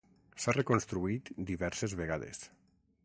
S'ha reconstruït diverses vegades.